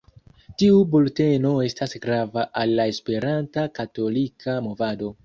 Tiu bulteno estas grava al la Esperanta Katolika Movado.